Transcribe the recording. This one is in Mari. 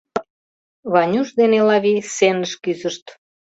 Ванюш ден Элавий сценыш кӱзышт.